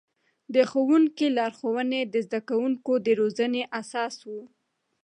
د ښوونکي لارښوونې د زده کوونکو د روزنې اساس و.